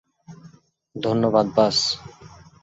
ধন্যবাদ, বাস।